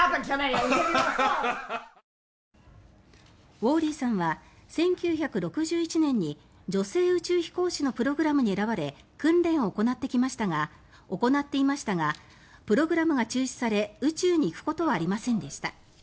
ウォーリーさんは１９６１年に女性宇宙飛行士のプログラムに選ばれ訓練を行っていましたがプログラムが中止され宇宙に行くことはありませんでした。